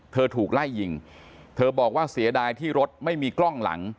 ถูกไล่ยิงเธอบอกว่าเสียดายที่รถไม่มีกล้องหลัง